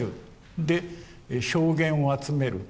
で証言を集める。